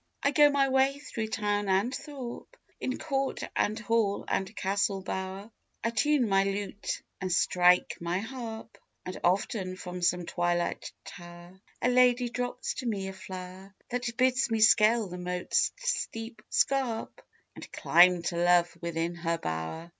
I go my way through town and thorp: In court and hall and castle bower I tune my lute and strike my harp: And often from some twilight tower A lady drops to me a flower, That bids me scale the moat's steep scarp, And climb to love within her bower.